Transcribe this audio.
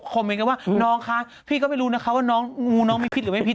คะว่าน้องค่ะพี่ก็ไม่รู้นะคะว่าน้องมีพิษหรือไม่พิษ